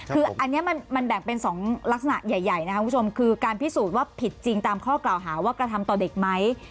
คืออันนี้มันแบ่งเป็น๒ลักษณะใหญ่นะครับคุณผู้ชมคือการพิสูจน์ว่าผิดจริงตามข้อกล่าวหาว่ากระทำต่อเด็กไหม